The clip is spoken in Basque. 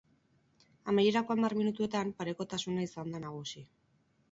Amaierako hamar minutuetan, parekotasuna izan da nagusi.